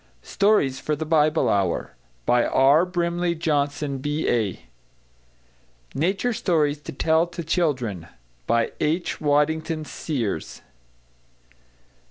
=Stories for the Bible Hour= By R. BRIMLEY JOHNSON, B.A. =Nature Stories to Tell to Children= By H. WADDINGHAM SEERS.